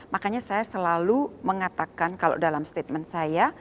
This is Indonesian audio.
makanya saya selalu mengatakan kalau dalam statement saya